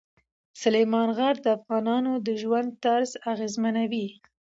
سلیمان غر د افغانانو د ژوند طرز اغېزمنوي.